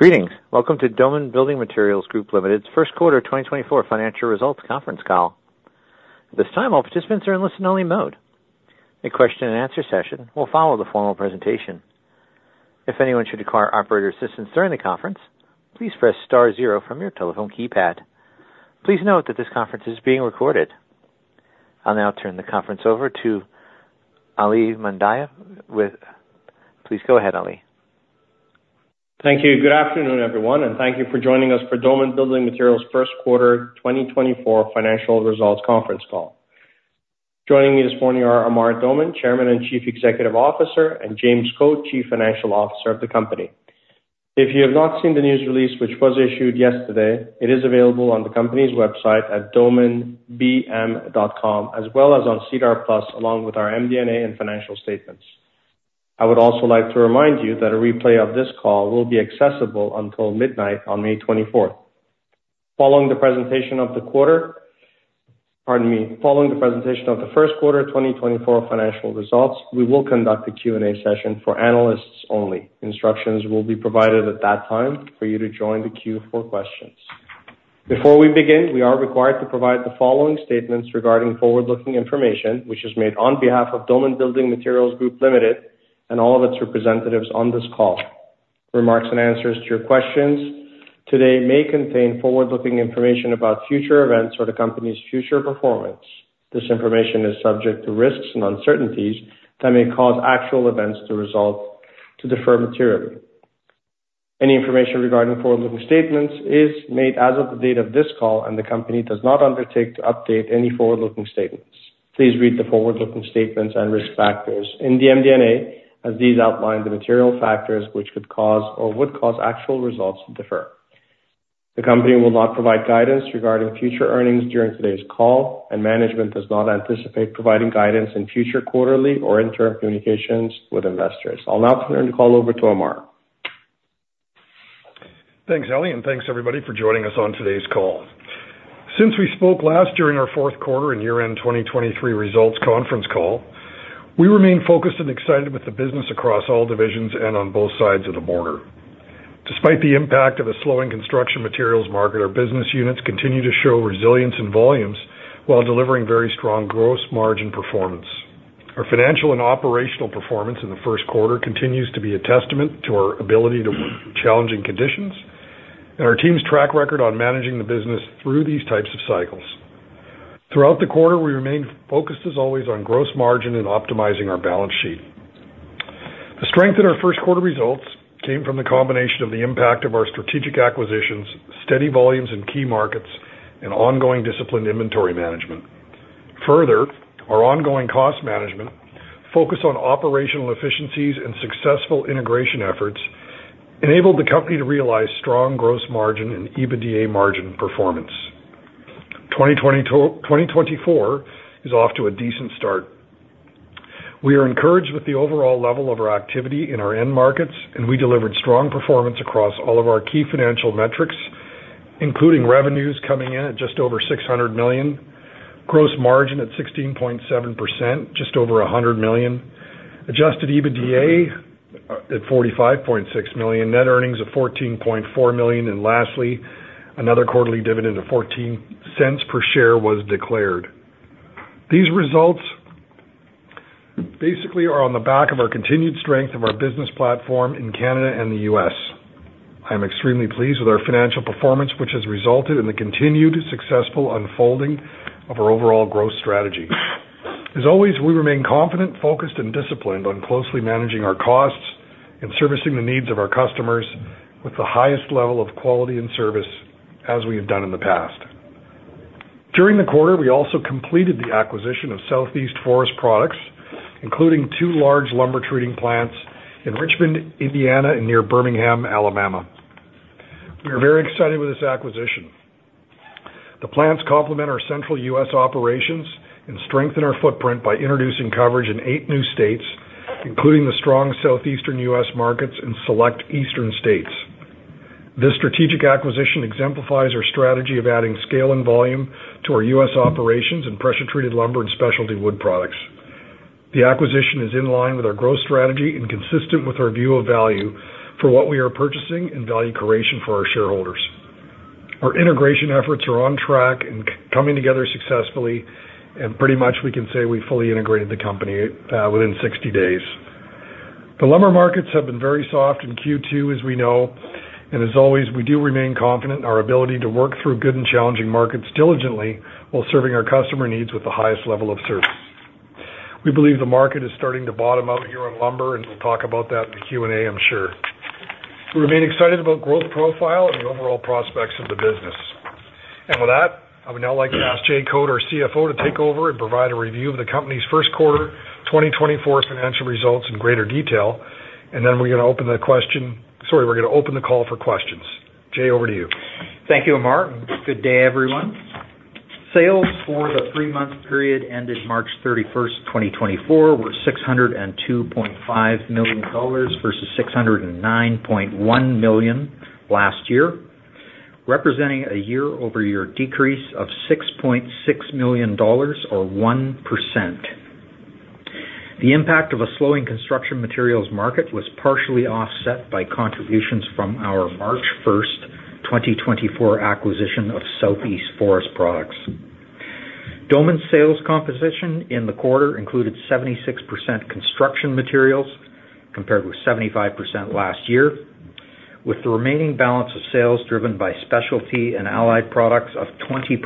Greetings. Welcome to Doman Building Materials Group Limited's Q1 2024 financial results conference call. At this time, all participants are in listen-only mode. A question-and-answer session will follow the formal presentation. If anyone should require operator assistance during the conference, please press star zero from your telephone keypad. Please note that this conference is being recorded. I'll now turn the conference over to Ali Mahdavi. Please go ahead, Ali. Thank you. Good afternoon, everyone, and thank you for joining us for Doman Building Materials' Q1 2024 financial results conference call. Joining me this morning are Amar Doman, Chairman and Chief Executive Officer, and James Code, Chief Financial Officer of the Company. If you have not seen the news release which was issued yesterday, it is available on the company's website at domanbm.com as well as on SEDAR+ along with our MD&A and financial statements. I would also like to remind you that a replay of this call will be accessible until midnight on May 24th. Following the presentation of the Q1 2024 financial results, we will conduct a Q&A session for analysts only. Instructions will be provided at that time for you to join the queue for questions. Before we begin, we are required to provide the following statements regarding forward-looking information which is made on behalf of Doman Building Materials Group Ltd. and all of its representatives on this call. Remarks and answers to your questions today may contain forward-looking information about future events or the company's future performance. This information is subject to risks and uncertainties that may cause actual events to differ materially. Any information regarding forward-looking statements is made as of the date of this call, and the company does not undertake to update any forward-looking statements. Please read the forward-looking statements and risk factors in the MD&A as these outline the material factors which could cause or would cause actual results to differ. The company will not provide guidance regarding future earnings during today's call, and management does not anticipate providing guidance in future quarterly or interim communications with investors. I'll now turn the call over to Amar. Thanks, Ali, and thanks, everybody, for joining us on today's call. Since we spoke last during our fourth quarter and year-end 2023 results conference call, we remain focused and excited with the business across all divisions and on both sides of the border. Despite the impact of a slowing construction materials market, our business units continue to show resilience in volumes while delivering very strong gross margin performance. Our financial and operational performance in the Q1 continues to be a testament to our ability to work through challenging conditions and our team's track record on managing the business through these types of cycles. Throughout the quarter, we remain focused, as always, on gross margin and optimizing our balance sheet. The strength in our Q1 results came from the combination of the impact of our strategic acquisitions, steady volumes in key markets, and ongoing disciplined inventory management. Further, our ongoing cost management, focus on operational efficiencies and successful integration efforts, enabled the company to realize strong gross margin and EBITDA margin performance. 2024 is off to a decent start. We are encouraged with the overall level of our activity in our end markets, and we delivered strong performance across all of our key financial metrics, including revenues coming in at just over 600 million, gross margin at 16.7%, just over 100 million, adjusted EBITDA at 45.6 million, net earnings of 14.4 million, and lastly, another quarterly dividend of 0.14 per share was declared. These results basically are on the back of our continued strength of our business platform in Canada and the U.S. I am extremely pleased with our financial performance, which has resulted in the continued successful unfolding of our overall growth strategy. As always, we remain confident, focused, and disciplined on closely managing our costs and servicing the needs of our customers with the highest level of quality and service as we have done in the past. During the quarter, we also completed the acquisition of Southeast Forest Products, including two large lumber treating plants in Richmond, Indiana, and near Birmingham, Alabama. We are very excited with this acquisition. The plants complement our central U.S. operations and strengthen our footprint by introducing coverage in eight new states, including the strong southeastern U.S. markets and select eastern states. This strategic acquisition exemplifies our strategy of adding scale and volume to our U.S. operations in pressure-treated lumber and specialty wood products. The acquisition is in line with our growth strategy and consistent with our view of value for what we are purchasing and value creation for our shareholders. Our integration efforts are on track and coming together successfully, and pretty much we can say we fully integrated the company within 60 days. The lumber markets have been very soft in Q2, as we know. As always, we do remain confident in our ability to work through good and challenging markets diligently while serving our customer needs with the highest level of service. We believe the market is starting to bottom out here on lumber, and we'll talk about that in the Q&A, I'm sure. We remain excited about growth profile and the overall prospects of the business. With that, I would now like to ask Jay Code, our CFO, to take over and provide a review of the company's Q1 2024 financial results in greater detail, and then we're going to open the question sorry, we're going to open the call for questions. Jay, over to you. Thank you, Amar. Good day, everyone. Sales for the three-month period ended 31 March 2024, were 602.5 million dollars versus 609.1 million last year, representing a year-over-year decrease of 6.6 million dollars or 1%. The impact of a slowing construction materials market was partially offset by contributions from our 1 March 2024, acquisition of Southeast Forest Products. Doman's sales composition in the quarter included 76% construction materials compared with 75% last year, with the remaining balance of sales driven by specialty and allied products of 20%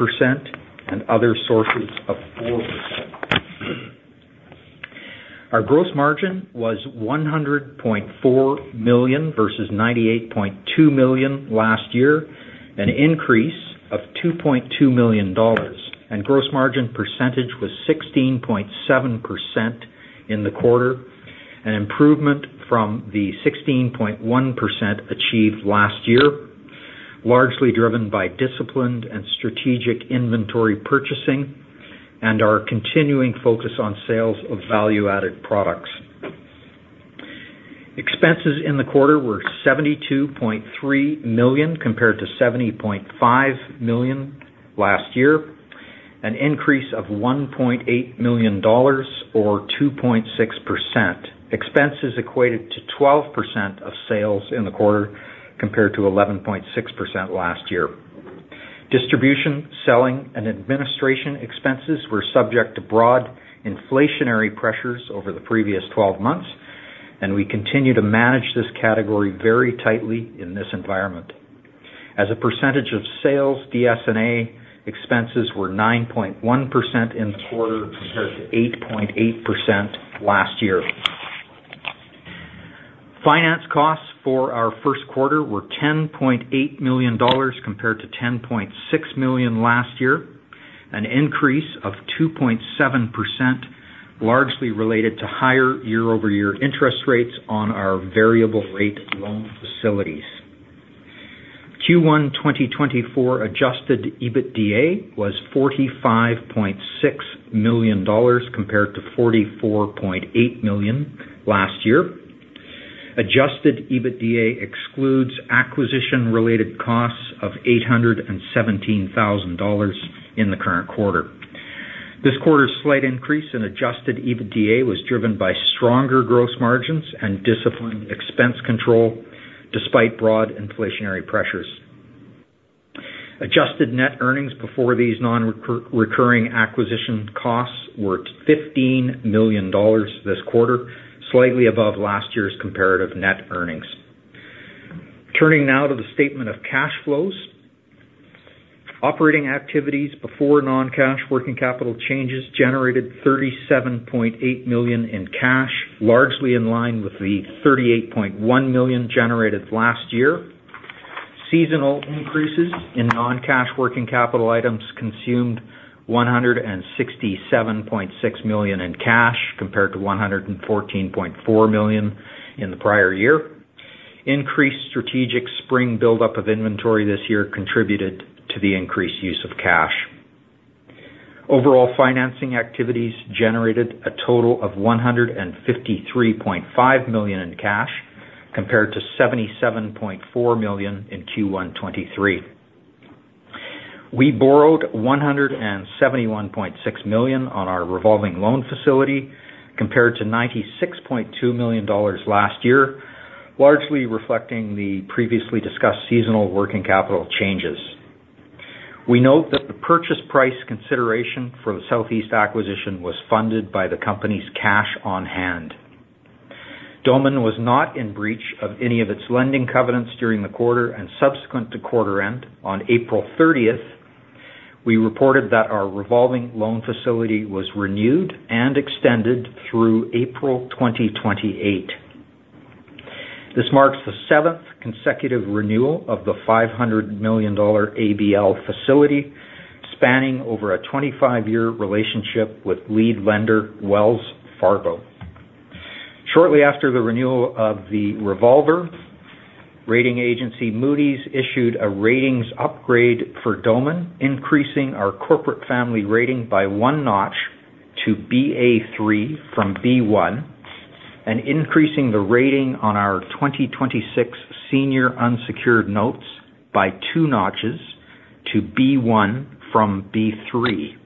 and other sources of 4%. Our gross margin was 100.4 million versus 98.2 million last year, an increase of 2.2 million dollars. Gross margin percentage was 16.7% in the quarter, an improvement from the 16.1% achieved last year, largely driven by disciplined and strategic inventory purchasing and our continuing focus on sales of value-added products. Expenses in the quarter were 72.3 million compared to 70.5 million last year, an increase of 1.8 million dollars or 2.6%. Expenses equated to 12% of sales in the quarter compared to 11.6% last year. Distribution, selling, and administration expenses were subject to broad inflationary pressures over the previous 12 months, and we continue to manage this category very tightly in this environment. As a percentage of sales, DS&A expenses were 9.1% in the quarter compared to 8.8% last year. Finance costs for our Q1 were 10.8 million dollars compared to 10.6 million last year, an increase of 2.7% largely related to higher year-over-year interest rates on our variable-rate loan facilities. Q1 2024 Adjusted EBITDA was 45.6 million dollars compared to 44.8 million last year. Adjusted EBITDA excludes acquisition-related costs of 817,000 dollars in the current quarter. This quarter's slight increase in Adjusted EBITDA was driven by stronger gross margins and disciplined expense control despite broad inflationary pressures. Adjusted net earnings before these non-recurring acquisition costs were 15 million dollars this quarter, slightly above last year's comparative net earnings. Turning now to the statement of cash flows, operating activities before non-cash working capital changes generated 37.8 million in cash, largely in line with the 38.1 million generated last year. Seasonal increases in non-cash working capital items consumed 167.6 million in cash compared to 114.4 million in the prior year. Increased strategic spring buildup of inventory this year contributed to the increased use of cash. Overall financing activities generated a total of 153.5 million in cash compared to 77.4 million in Q1 2023. We borrowed 171.6 million on our revolving loan facility compared to 96.2 million dollars last year, largely reflecting the previously discussed seasonal working capital changes. We note that the purchase price consideration for the Southeast acquisition was funded by the company's cash on hand. Doman was not in breach of any of its lending covenants during the quarter, and subsequent to quarter end on 30 April, we reported that our revolving loan facility was renewed and extended through April 2028. This marks the seventh consecutive renewal of the 500 million dollar ABL facility spanning over a 25-year relationship with lead lender Wells Fargo. Shortly after the renewal of the revolver, rating agency Moody's issued a ratings upgrade for Doman, increasing our corporate family rating by one notch to BA3 from B1 and increasing the rating on our 2026 senior unsecured notes by two notches to B1 from B3.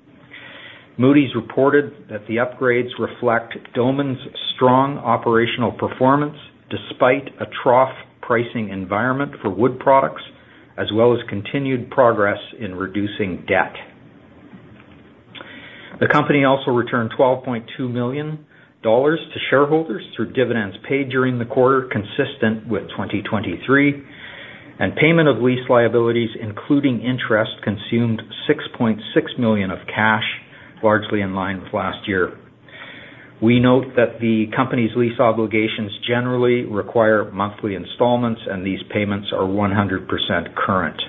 Moody's reported that the upgrades reflect Doman's strong operational performance despite a trough pricing environment for wood products as well as continued progress in reducing debt. The company also returned 12.2 million dollars to shareholders through dividends paid during the quarter consistent with 2023, and payment of lease liabilities including interest consumed 6.6 million of cash, largely in line with last year. We note that the company's lease obligations generally require monthly installments, and these payments are 100% current.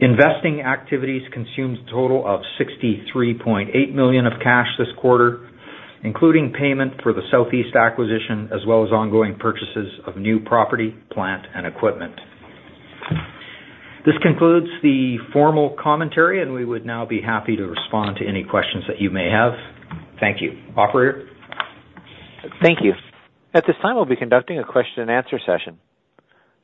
Investing activities consumed a total of 63.8 million of cash this quarter, including payment for the Southeast acquisition as well as ongoing purchases of new property, plant, and equipment. This concludes the formal commentary, and we would now be happy to respond to any questions that you may have. Thank you, operator. Thank you. At this time, we'll be conducting a question-and-answer session.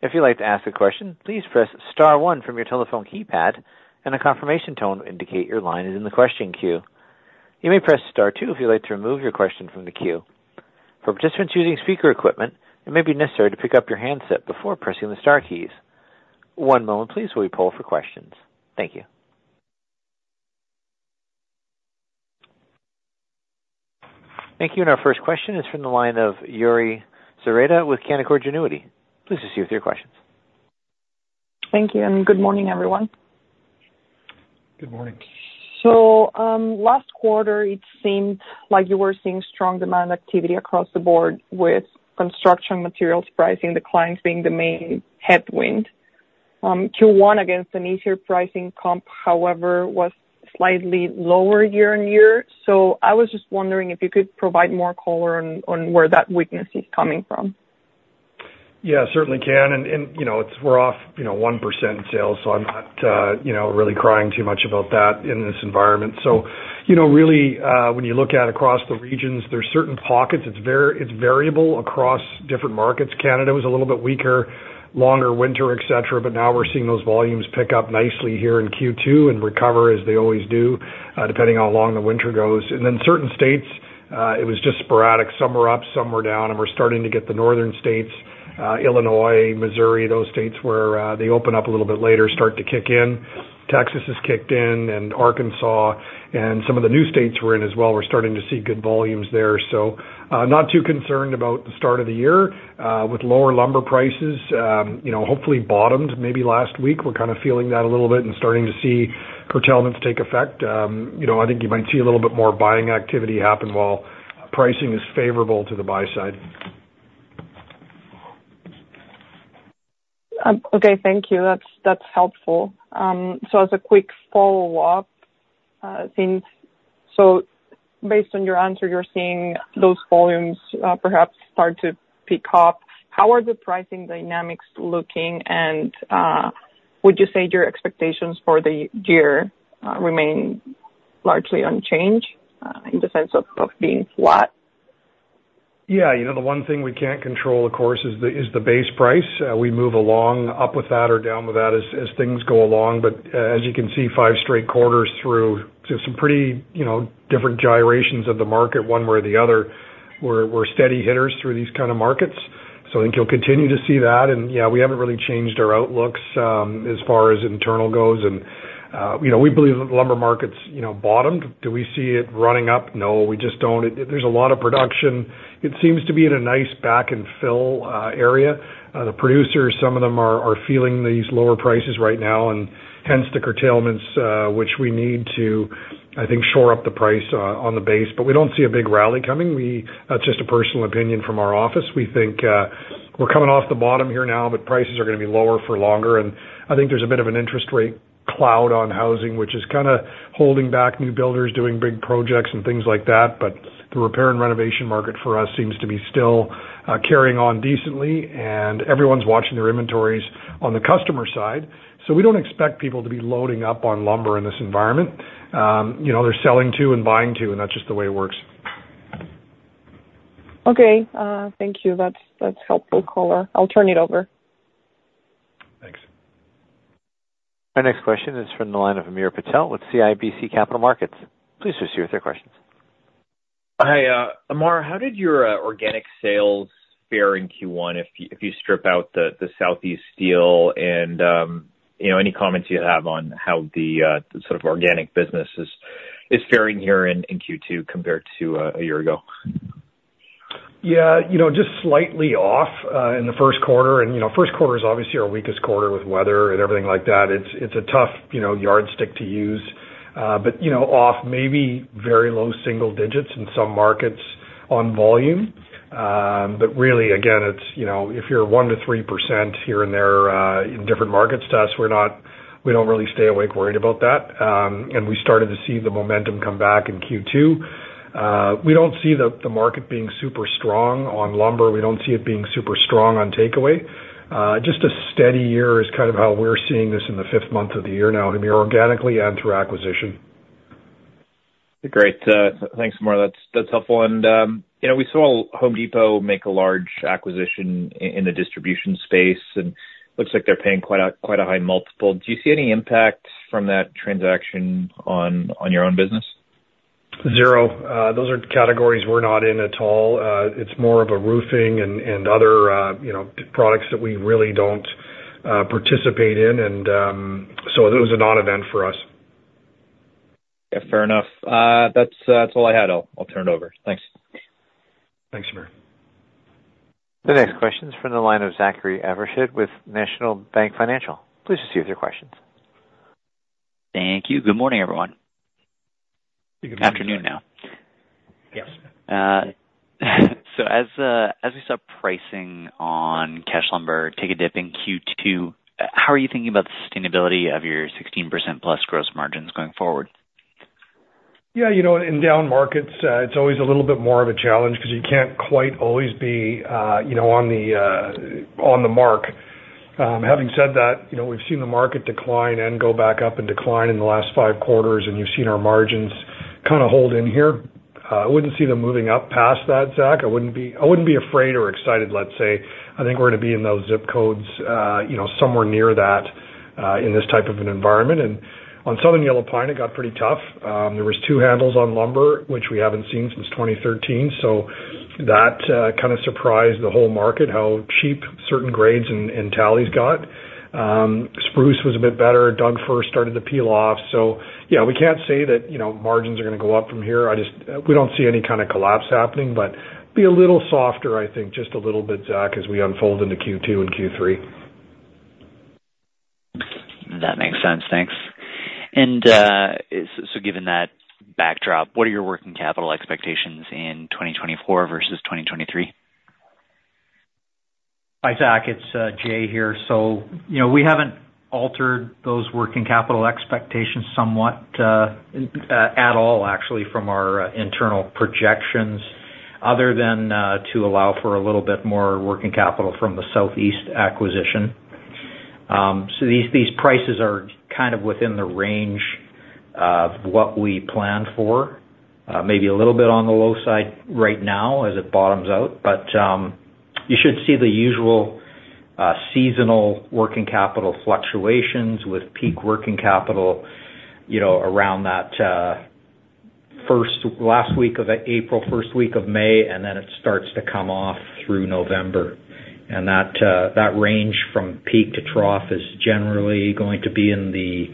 If you'd like to ask a question, please press star one from your telephone keypad, and a confirmation tone will indicate your line is in the question queue. You may press star two if you'd like to remove your question from the queue. For participants using speaker equipment, it may be necessary to pick up your handset before pressing the star keys. One moment, please, while we pull for questions. Thank you. Thank you. And our first question is from the line of Yuri Zoreda with Canaccord Genuity. Please proceed with your questions. Thank you, and good morning, everyone. Good morning. So last quarter, it seemed like you were seeing strong demand activity across the board with construction materials pricing, the clients being the main headwind. Q1, again, it's an easier pricing comp, however, was slightly lower year-over-year. So I was just wondering if you could provide more color on where that weakness is coming from. Yeah, certainly can. And we're off 1% in sales, so I'm not really crying too much about that in this environment. So really, when you look at across the regions, there's certain pockets. It's variable across different markets. Canada was a little bit weaker, longer winter, etc., but now we're seeing those volumes pick up nicely here in Q2 and recover as they always do depending on how long the winter goes. And then certain states, it was just sporadic. Some were up, some were down. And we're starting to get the northern states, Illinois, Missouri, those states where they open up a little bit later, start to kick in. Texas has kicked in, and Arkansas and some of the new states we're in as well. We're starting to see good volumes there. So not too concerned about the start of the year with lower lumber prices, hopefully bottomed maybe last week. We're kind of feeling that a little bit and starting to see curtailments take effect. I think you might see a little bit more buying activity happen while pricing is favorable to the buy side. Okay. Thank you. That's helpful. So as a quick follow-up. Based on your answer, you're seeing those volumes perhaps start to pick up. How are the pricing dynamics looking, and would you say your expectations for the year remain largely unchanged in the sense of being flat? Yeah. The one thing we can't control, of course, is the base price. We move along up with that or down with that as things go along. But as you can see, five straight quarters through some pretty different gyrations of the market, one way or the other, we're steady hitters through these kind of markets. So I think you'll continue to see that. And yeah, we haven't really changed our outlooks as far as internal goes. And we believe that the lumber markets bottomed. Do we see it running up? No, we just don't. There's a lot of production. It seems to be in a nice back-and-fill area. The producers, some of them are feeling these lower prices right now, and hence the curtailments, which we need to, I think, shore up the price on the base. But we don't see a big rally coming. That's just a personal opinion from our office. We think we're coming off the bottom here now, but prices are going to be lower for longer. And I think there's a bit of an interest rate cloud on housing, which is kind of holding back new builders doing big projects and things like that. But the repair and renovation market for us seems to be still carrying on decently, and everyone's watching their inventories on the customer side. So we don't expect people to be loading up on lumber in this environment. They're selling to and buying to, and that's just the way it works. Okay. Thank you. That's helpful color. I'll turn it over. Thanks. My next question is from the line of Hamir Patel with CIBC Capital Markets. Please proceed with your questions. Hi, Amar. How did your organic sales fare in Q1 if you strip out the Southeast deal and any comments you have on how the sort of organic business is faring here in Q2 compared to a year ago? Yeah, just slightly off in the Q1. First quarter is obviously our weakest quarter with weather and everything like that. It's a tough yardstick to use. Off, maybe very low single digits in some markets on volume. Really, again, if you're 1% to 3% here and there in different markets to us, we don't really stay awake worried about that. We started to see the momentum come back in Q2. We don't see the market being super strong on lumber. We don't see it being super strong on takeaway. Just a steady year is kind of how we're seeing this in the fifth month of the year now, Hamir, organically and through acquisition. Great. Thanks, Amar. That's helpful. We saw Home Depot make a large acquisition in the distribution space, and it looks like they're paying quite a high multiple. Do you see any impact from that transaction on your own business? Zero. Those are categories we're not in at all. It's more of a roofing and other products that we really don't participate in. And so it was a non-event for us. Yeah. Fair enough. That's all I had. I'll turn it over. Thanks. Thanks, Hamir. The next question is from the line of Zachary Evershed with National Bank Financial. Please proceed with your questions. Thank you. Good morning, everyone. Good morning. Afternoon now. Yes. As we saw pricing on cash lumber take a dip in Q2, how are you thinking about the sustainability of your 16%+ gross margins going forward? Yeah. In down markets, it's always a little bit more of a challenge because you can't quite always be on the mark. Having said that, we've seen the market decline and go back up and decline in the last five quarters, and you've seen our margins kind of hold in here. I wouldn't see them moving up past that, Zach. I wouldn't be afraid or excited, let's say. I think we're going to be in those zip codes somewhere near that in this type of an environment. And on Southern Yellow Pine, it got pretty tough. There were two handles on lumber, which we haven't seen since 2013. So that kind of surprised the whole market, how cheap certain grades and tallies got. Spruce was a bit better. Doug Fir started to peel off. So yeah, we can't say that margins are going to go up from here. We don't see any kind of collapse happening, but be a little softer, I think, just a little bit, Zach, as we unfold into Q2 and Q3. That makes sense. Thanks. And so given that backdrop, what are your working capital expectations in 2024 versus 2023? Hi, Zach. It's Jay here. So we haven't altered those working capital expectations somewhat at all, actually, from our internal projections other than to allow for a little bit more working capital from the Southeast acquisition. So these prices are kind of within the range of what we plan for, maybe a little bit on the low side right now as it bottoms out. But you should see the usual seasonal working capital fluctuations with peak working capital around that last week of April, first week of May, and then it starts to come off through November. And that range from peak to trough is generally going to be in the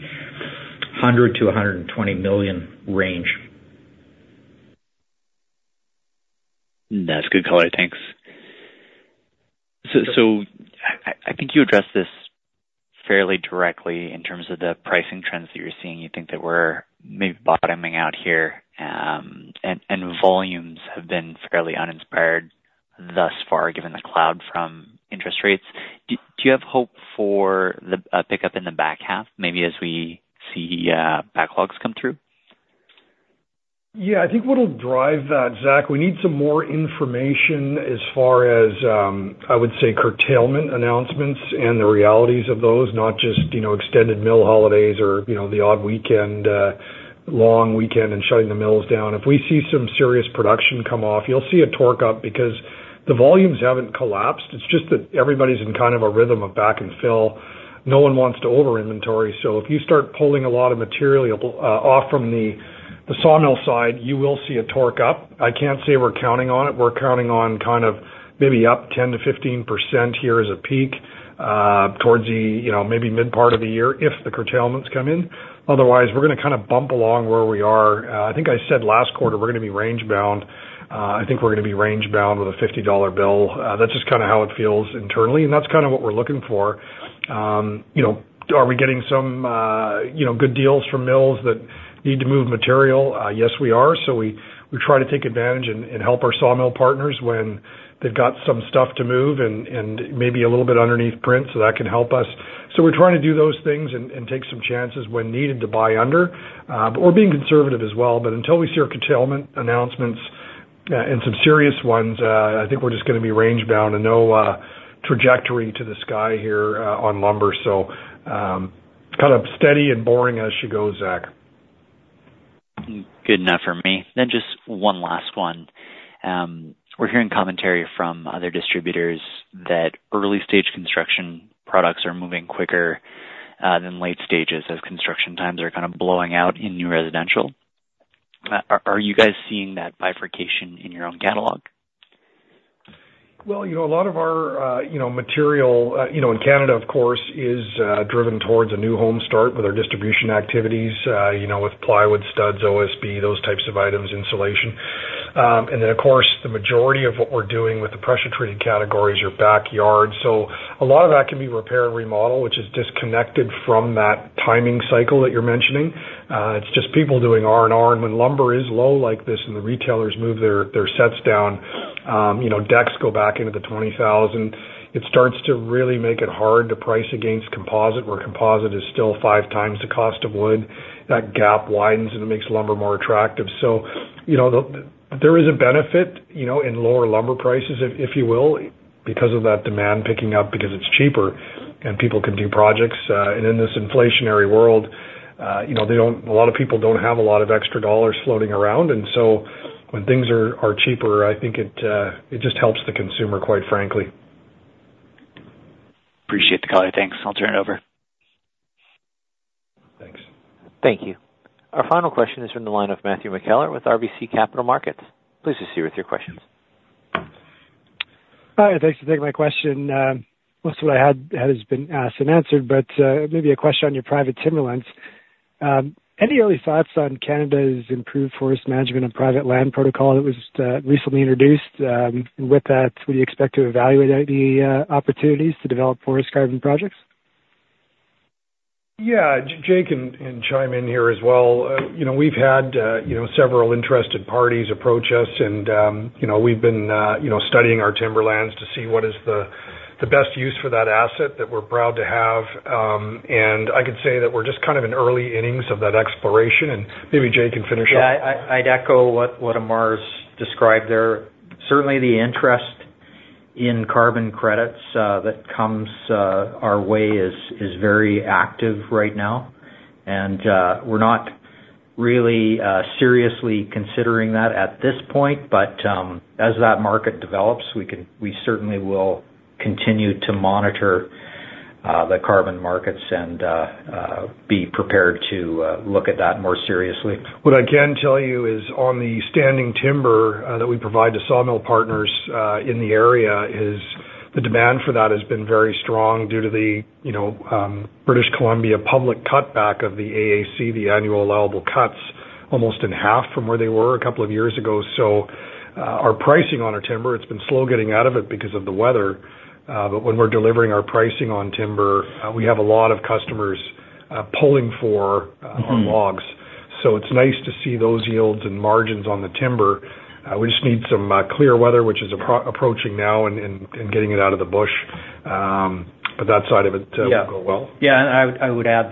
100 to 120 million range. That's good color. Thanks. I think you addressed this fairly directly in terms of the pricing trends that you're seeing. You think that we're maybe bottoming out here, and volumes have been fairly uninspired thus far given the cloud from interest rates. Do you have hope for a pickup in the back half, maybe as we see backlogs come through? Yeah. I think what'll drive that, Zach, we need some more information as far as, I would say, curtailment announcements and the realities of those, not just extended mill holidays or the odd weekend, long weekend, and shutting the mills down. If we see some serious production come off, you'll see a torque up because the volumes haven't collapsed. It's just that everybody's in kind of a rhythm of back-and-fill. No one wants to over inventory. So if you start pulling a lot of material off from the sawmill side, you will see a torque up. I can't say we're counting on it. We're counting on kind of maybe up 10%-15% here as a peak towards maybe mid-part of the year if the curtailments come in. Otherwise, we're going to kind of bump along where we are. I think I said last quarter, we're going to be range-bound. I think we're going to be range-bound with a $50 bill. That's just kind of how it feels internally, and that's kind of what we're looking for. Are we getting some good deals from mills that need to move material? Yes, we are. So we try to take advantage and help our sawmill partners when they've got some stuff to move and maybe a little bit underneath print, so that can help us. So we're trying to do those things and take some chances when needed to buy under. We're being conservative as well. But until we see our curtailment announcements and some serious ones, I think we're just going to be range-bound and no trajectory to the sky here on lumber. So kind of steady and boring as she goes, Zach. Good enough for me. Then just one last one. We're hearing commentary from other distributors that early-stage construction products are moving quicker than late stages as construction times are kind of blowing out in new residential. Are you guys seeing that bifurcation in your own catalog? Well, a lot of our material in Canada, of course, is driven towards a new home start with our distribution activities with plywood, studs, OSB, those types of items, insulation. And then, of course, the majority of what we're doing with the pressure-treated categories are backyards. So a lot of that can be repair and remodel, which is disconnected from that timing cycle that you're mentioning. It's just people doing R&R. And when lumber is low like this and the retailers move their sets down, decks go back into the $20,000, it starts to really make it hard to price against composite where composite is still five times the cost of wood. That gap widens, and it makes lumber more attractive. So there is a benefit in lower lumber prices, if you will. Because of that demand picking up because it's cheaper and people can do projects. In this inflationary world, a lot of people don't have a lot of extra dollars floating around. So when things are cheaper, I think it just helps the consumer, quite frankly. Appreciate the color. Thanks. I'll turn it over. Thanks. Thank you. Our final question is from the line of Matthew McKellar with RBC Capital Markets. Please proceed with your questions. Hi. Thanks for taking my question. Most of what I had has been asked and answered. But maybe a question on your private timberlands. Any early thoughts on Canada's improved forest management and private land protocol that was recently introduced? And with that, would you expect to evaluate the opportunities to develop forest carbon projects? Yeah. Jay can chime in here as well. We've had several interested parties approach us, and we've been studying our timberlands to see what is the best use for that asset that we're proud to have. I could say that we're just kind of in early innings of that exploration. Maybe Jay can finish off. Yeah. I'd echo what Amar's described there. Certainly, the interest in carbon credits that comes our way is very active right now. We're not really seriously considering that at this point. As that market develops, we certainly will continue to monitor the carbon markets and be prepared to look at that more seriously. What I can tell you is on the standing timber that we provide to sawmill partners in the area, the demand for that has been very strong due to the British Columbia public cutback of the AAC, the annual allowable cuts, almost in half from where they were a couple of years ago. So our pricing on our timber, it's been slow getting out of it because of the weather. But when we're delivering our pricing on timber, we have a lot of customers pulling for our logs. So it's nice to see those yields and margins on the timber. We just need some clear weather, which is approaching now, and getting it out of the bush. But that side of it will go well. Yeah. I would add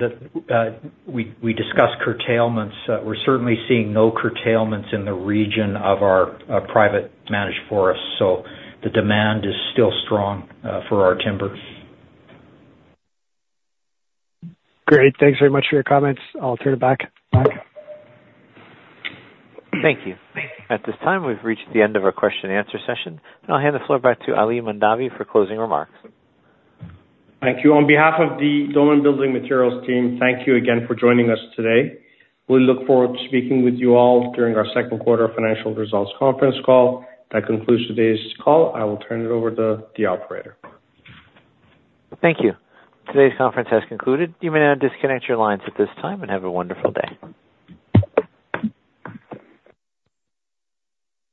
that we discussed curtailments. We're certainly seeing no curtailments in the region of our private managed forests. So the demand is still strong for our timber. Great. Thanks very much for your comments. I'll turn it back the Mike. Thank you. At this time, we've reached the end of our question-and-answer session. I'll hand the floor back to Ali Mahdavi for closing remarks. Thank you. On behalf of the Doman Building Materials team, thank you again for joining us today. We look forward to speaking with you all during our second quarter financial results conference call. That concludes today's call. I will turn it over to the operator. Thank you. Today's conference has concluded. You may now disconnect your lines at this time and have a wonderful day.